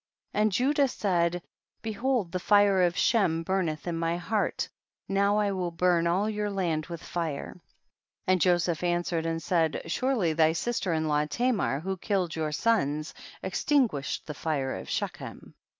25. And Judah said, behold the fire of Shem burneth in my heart, now I will burn all your land with fire ; and Joseph answered and said, surely thy sister in law Tamar, who killed your sons, extinguished the fire of Shechem.